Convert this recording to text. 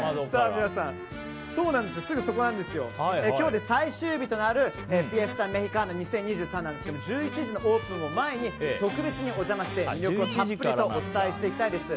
皆さん、今日で最終日となるフィエスタ・メヒカーナ２０２３なんですけど１１時のオープンを前に特別にお邪魔して魅力をたっぷりとお伝えしていきたいです。